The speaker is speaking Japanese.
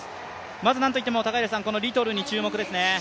まずなんといっても、リトルに注目ですね。